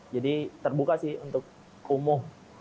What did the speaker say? jadi terbuka sih untuk umuh